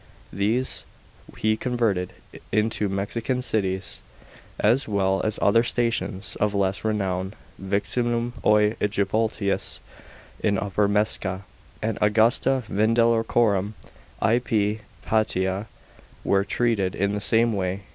These he converted ioto U<*xian cities, as well as other stations of less renown.* Vimin^cipm aoi >jicopolis, in Upper Mcesia, and Augusta Vindelicorum, IP Paetia, were treated in the same way.